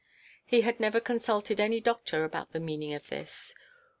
He had never consulted any doctor about the meaning of this.